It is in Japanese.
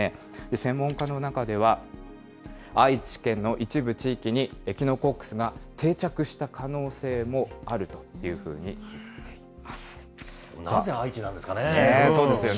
専門家の中では、愛知県の一部地域にエキノコックスが定着した可能性もあるというなぜ愛知なんですかね。